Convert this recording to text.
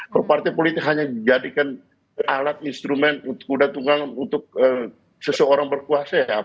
kalau partai politik hanya dijadikan alat instrumen kuda tunggang untuk seseorang berkuasa ya